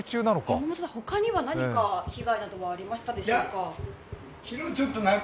山本さん、他には何か被害はありましたでしょうか？